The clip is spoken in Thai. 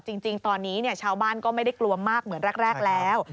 จริงตอนนี้ชาวบ้านก็ไม่ได้กลัวมากเหมือนแรกแล้ว